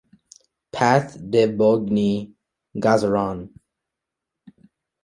Path de Poigny, Gazeran